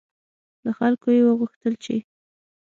له خلکو یې وغوښتل چې